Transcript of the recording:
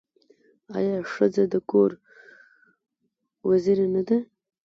آیا ښځه د کور وزیره نه ده؟